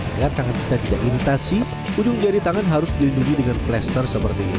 agar tangan kita tidak iritasi ujung jari tangan harus dilindungi dengan plaster seperti ini